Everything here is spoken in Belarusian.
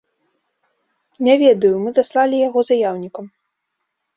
Не ведаю, мы даслалі яго заяўнікам.